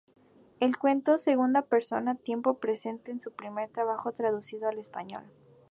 El cuento "Segunda Persona, Tiempo Presente" es su primer trabajo traducido al español.